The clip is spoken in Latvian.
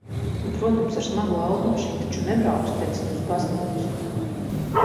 Nu, protams, ar smago automašīnu taču nebrauks, teiksim, uz baznīcu!